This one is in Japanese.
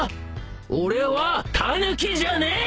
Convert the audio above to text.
俺はタヌキじゃねえ！